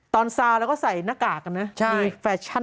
ตอนซาร์เราก็ใส่หน้ากากนะมีแฟชั่น